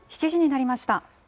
７時になりました。